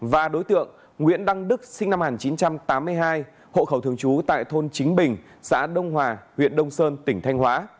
và đối tượng nguyễn đăng đức sinh năm một nghìn chín trăm tám mươi hai hộ khẩu thường trú tại thôn chính bình xã đông hòa huyện đông sơn tỉnh thanh hóa